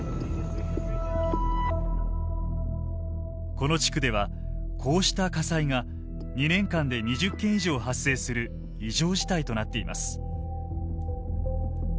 この地区ではこうした火災が２年間で２０件以上発生する異常事態となっています。